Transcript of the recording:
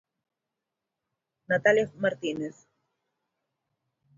Natalia Martínez.